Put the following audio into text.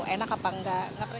enak apa enggak